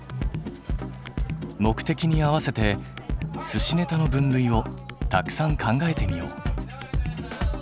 目的に合わせてすしネタの分類をたくさん考えてみよう。